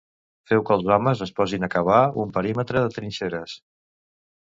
Feu que els homes es posin a cavar un perímetre de trinxeres.